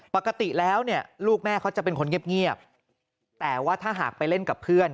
ปกติแล้วเนี่ยลูกแม่เขาจะเป็นคนเงียบแต่ว่าถ้าหากไปเล่นกับเพื่อน